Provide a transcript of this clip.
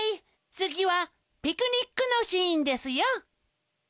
つぎはピクニックのシーンですよ！